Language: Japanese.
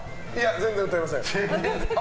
全然歌いません。